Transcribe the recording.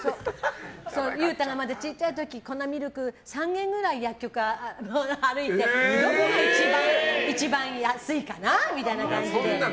裕太がまだ小さい時粉ミルク３軒ぐらい、薬局歩いてどこが一番安いかなみたいな感じで。